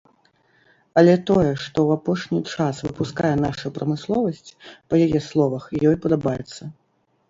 Але тое, што ў апошні час выпускае наша прамысловасць, па яе словах, ёй падабаецца.